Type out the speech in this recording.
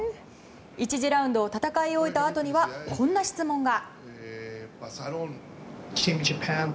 １次ラウンドを戦い終えたあとにはこんな質問が。